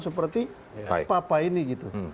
seperti papa ini